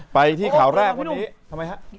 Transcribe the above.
ไปที่ข่าวแรกวันนี้